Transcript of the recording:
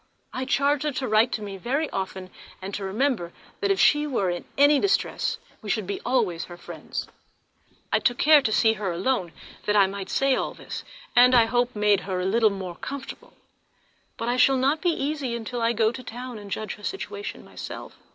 I charged her to write to me very often, and to remember that if she were in any distress we should be always her friends. I took care to see her alone, that I might say all this, and I hope made her a little more comfortable; but I shall not be easy till I can go to town and judge of her situation myself.